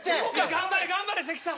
頑張れ頑張れ関さん！